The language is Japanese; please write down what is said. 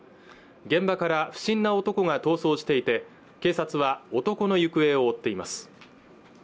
現場から不審な男が逃走していて警察は男の行方を追っています